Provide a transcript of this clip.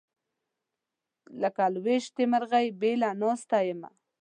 لکه ويشتلې مرغۍ بېله ناسته یمه